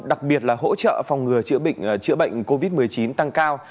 đặc biệt là hỗ trợ phòng ngừa chữa bệnh covid một mươi chín tăng cao